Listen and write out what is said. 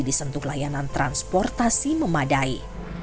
disentuh layanan transportasi memadai